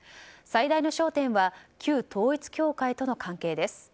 最大の焦点は旧統一教会との関係です。